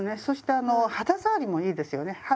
そしてあの肌触りもいいですよね。